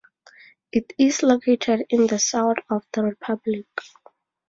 It is located in the south of the republic.